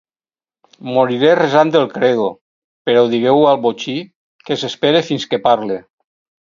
Moriré resant el credo; però digueu al botxí que s'espere fins que parle.